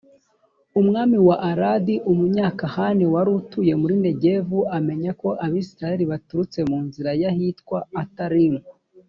umwami wa aradi, umukanahani wari utuye muri negevu, amenya ko abayisraheli baturutse mu nzira y’ahitwa atarimu.